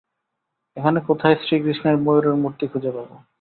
এখানে কোথায় শ্রীকৃষ্ণের ময়ুরের মূর্তি খুঁজে পাবো?